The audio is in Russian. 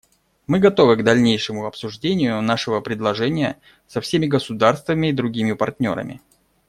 Мы готовы к дальнейшему обсуждению нашего предложения со всеми государствами и другими партнерами.